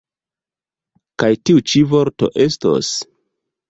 Kaj tiu ĉi vorto estos?